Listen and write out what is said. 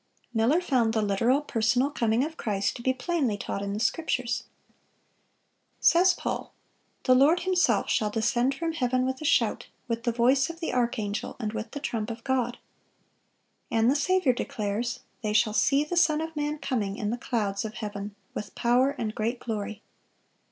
Miller found the literal, personal coming of Christ to be plainly taught in the Scriptures. Says Paul, "The Lord Himself shall descend from heaven with a shout, with the voice of the Archangel, and with the trump of God."(523) And the Saviour declares: "They shall see the Son of man coming in the clouds of heaven with power and great glory."